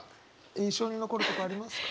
印象に残るとこありますか？